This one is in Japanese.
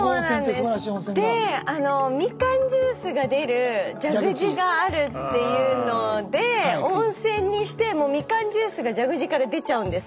みかんジュースが出る蛇口があるっていうので温泉にしてもうみかんジュースが蛇口から出ちゃうんです。